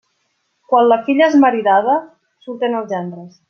Quan la filla és maridada, surten els gendres.